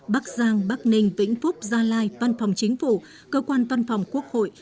bắc giang bắc ninh vĩnh phúc gia lai văn phòng chính phủ cơ quan văn phòng quốc hội